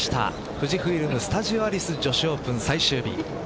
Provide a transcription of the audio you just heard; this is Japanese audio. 富士フイルム・スタジオアリス女子オープン最終日。